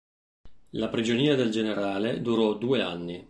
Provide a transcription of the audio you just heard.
La prigionia del generale durò due anni.